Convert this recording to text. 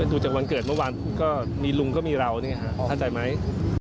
ดูจากวันเกิดเมื่อวานก็มีลุงก็มีเราเข้าใจไหม